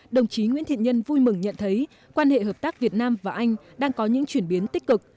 đồng chí nguyễn thiện nhân vui mừng nhận thấy quan hệ hợp tác việt nam và anh đang có những chuyển biến tích cực